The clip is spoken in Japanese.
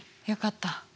よかった。